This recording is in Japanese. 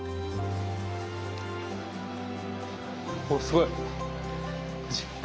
おっすごい。